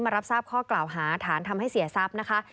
รับทราบข้อกล่าวหาฐานทำให้เสียทรัพย์นะคะ